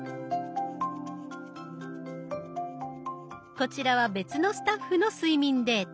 こちらは別のスタッフの睡眠データ。